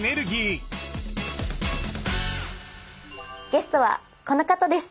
ゲストはこの方です！